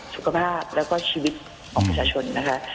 สุขภาพแล้วก็ชีวิตของประชาชนนะคะ